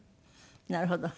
なるほど。